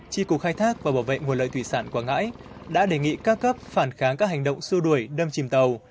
tri cục khai thác và bảo vệ nguồn lợi thủy sản quảng ngãi đã đề nghị các cấp phản kháng các hành động xua đuổi đâm chìm tàu